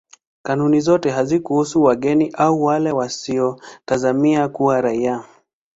Kanuni zote hazikuhusu wageni au wale wasiotazamiwa kuwa raia.